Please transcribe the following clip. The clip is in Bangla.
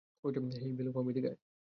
হেই ভালুক মামা, এদিকে আয়!